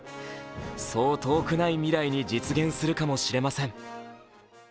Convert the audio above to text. そう遠くない未来に実現するかもしれません。